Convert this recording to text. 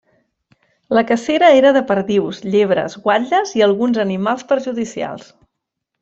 La cacera era de perdius, llebres, guatlles i alguns animals perjudicials.